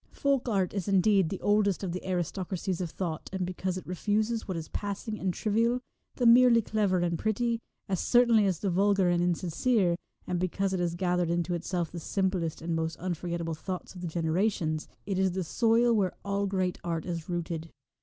Folk art is, indeed, the oldest of the aristocracies of thought, and because it refuses what is passing and trivial, the merely clever and pretty, as certainly as the vulgar and insincere, and because it 232 has gathered into itself the simplest and By the r ill i r \ Roadside. most uniorgetable thoughts of the genera tions, it is the soil where all great art is rooted.